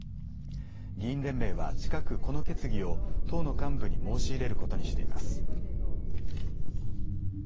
議員連盟は近くこの決議を党の幹部に申し入れることにしています。